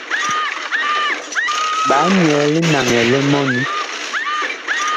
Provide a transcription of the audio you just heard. Ɓaa nyɛɛ linaŋɛ li mɔni.